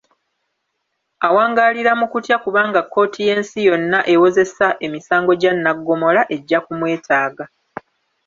Awangaalira mu kutya kubanga kkooti y’ensi yonna ewozesa emisango gya Nnagomola ejja ku mwetaaga